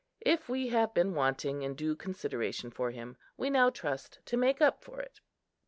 If we have been wanting in due consideration for him, we now trust to make up for it.